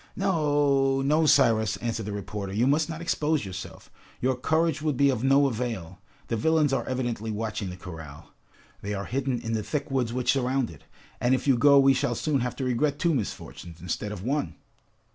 "No, no! Cyrus," answered the reporter, "you must not expose yourself! Your courage would be of no avail. The villains are evidently watching the corral, they are hidden in the thick woods which surround it, and if you go we shall soon have to regret two misfortunes instead of one!"